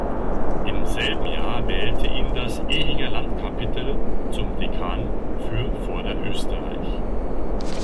Im selben Jahr wählte ihn das Ehinger Landkapitel zum Dekan für Vorderösterreich.